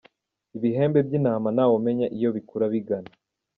Ibihembe by’intama ntawe umenya iyo bikura bigana.